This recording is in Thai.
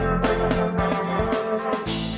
โอ้โหโอ้โหโอ้โห